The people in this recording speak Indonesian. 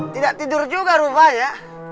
tidak tidur juga rupanya